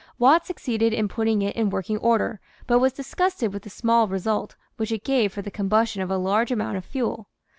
Watt succeeded in putting it in working order, but was disgusted with the small result which it gave for the combustion of a large amount of fuel.